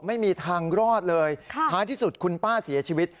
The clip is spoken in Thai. ไม่มีทางรอดเลยท้ายที่สุดคุณป้าเสียชีวิต